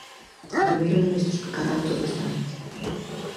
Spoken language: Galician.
O primeiro ministro explicarao todo esta noite.